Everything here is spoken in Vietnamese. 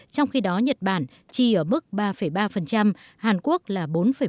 trong khi đó nhật bản chi ở mức ba ba hàn quốc là bốn một